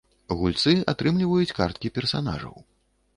Гульцы атрымліваюць карткі персанажаў.